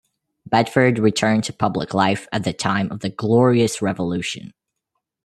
Bedford returned to public life at the time of the Glorious Revolution.